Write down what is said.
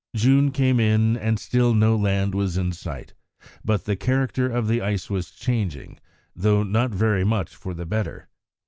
June came in and still no land was in sight, but the character of the ice was changing, though not very much for the better.